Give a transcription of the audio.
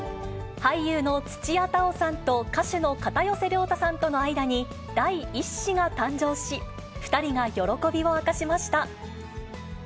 俳優の土屋太鳳さんと歌手の片寄涼太さんとの間に、第１子が誕生し、２人が喜びを明かしました。